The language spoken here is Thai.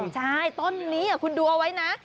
ใช่ต้นนี้คุณดูเอาไว้นะ